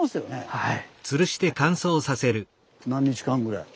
はい。